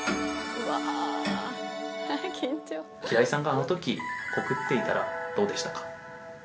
平井さんがあのとき告っていればどうでしたか？